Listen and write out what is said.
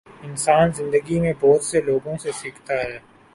انسان زندگی میں بہت سے لوگوں سے سیکھتا ہے۔